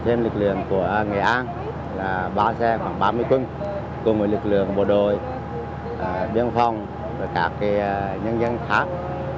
trên lực lượng của nghệ an là ba xe khoảng ba mươi quân cùng với lực lượng bộ đội biên phòng và các nhân dân khác